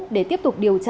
để tiếp tục điều tra